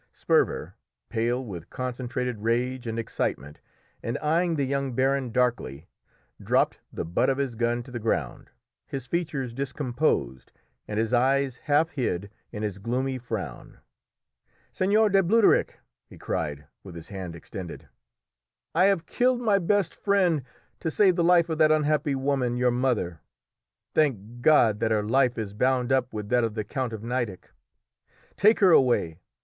Sperver, pale with concentrated rage and excitement, and eyeing the young baron darkly, dropped the butt of his gun to the ground, his features discomposed, and his eyes half hid in his gloomy frown. "Seigneur de Bluderich," he cried, with his hand extended, "I have killed my best friend to save the life of that unhappy woman, your mother! Thank God that her life is bound up with that of the Count of Nideck! Take her away!